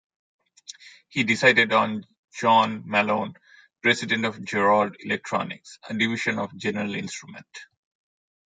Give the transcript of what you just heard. He decided on John Malone, president of Jerrold Electronics, a division of General Instrument.